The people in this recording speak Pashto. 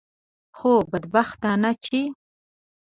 خو بدبختانه چې.